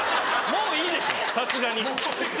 もういいでしょさすがに。